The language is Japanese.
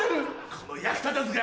この役立たずが！